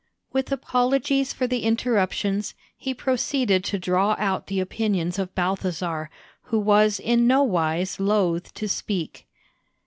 With apologies for the interruptions, he proceeded to draw out the opinions of Balthasar, who was in nowise loath to speak.